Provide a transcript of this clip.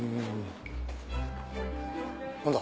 何だ？